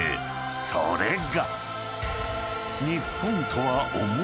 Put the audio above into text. ［それが］